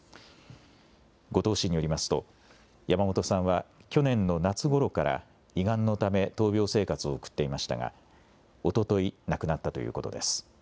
五島市によりますと山本さんは去年の夏ごろから胃がんのため闘病生活を送っていましたがおととい亡くなったということです。